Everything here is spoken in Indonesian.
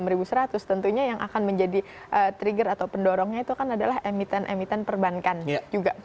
enam ribu seratus tentunya yang akan menjadi trigger atau pendorongnya itu kan adalah emiten emiten perbankan juga